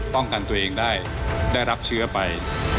ป้องกันตัวเองได้ได้รับเชื้อไป